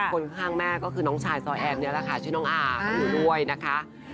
คนข้างแม่ก็คือน้องชายซอยแอนนี่แหละค่ะชื่อน้องอาเขาอยู่ด้วยนะคะ